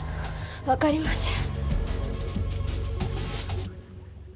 分かりません。